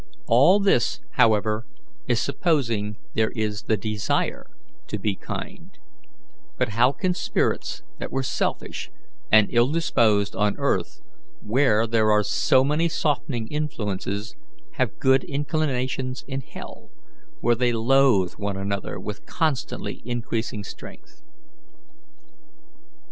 All this, however, is supposing there is the desire to be kind; but how can spirits that were selfish and ill disposed on earth, where there are so many softening influences, have good inclinations in hell, where they loathe one another with constantly increasing strength?